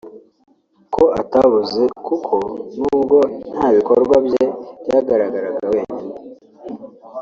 ko atabuze kuko n’ubwo ntabikorwa bye byagaragaraga wenyine